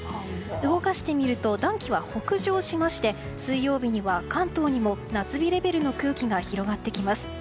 動かしてみると暖気は北上しまして水曜日には関東にも夏日レベルの空気が広がってきます。